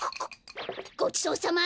ごちそうさま！